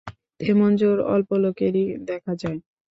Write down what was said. তেমন জোর অল্প লোকেরই দেখা যায়।